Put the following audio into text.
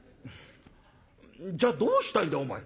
「じゃあどうしたいんだお前」。